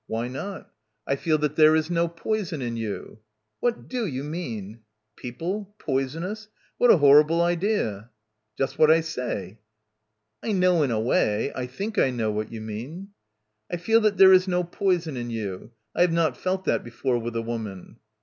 ." "Why not?" "I feel that there is no poison in you." "What do you mean?" People ... poison ous ... What a horrible idea. "Just what I say." "I know in a way. I think I know what you mean." "I feel that there is no poison in you. I have not felt that before with a woman."